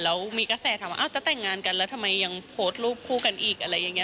แล้วมีกระแสถามว่าจะแต่งงานกันแล้วทำไมยังโพสต์รูปคู่กันอีกอะไรอย่างนี้